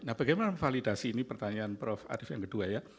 nah bagaimana validasi ini pertanyaan prof arief yang kedua ya